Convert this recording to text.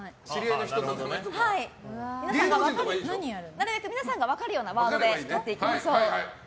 なるべく皆さんが分かるようなワードでやっていきましょう。